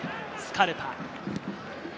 スカルパ。